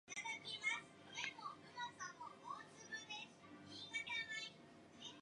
The latter died within two years, leaving his wealth to his daughters.